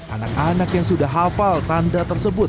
anak anak yang sudah hafal tanda tersebut